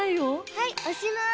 はいおしまい。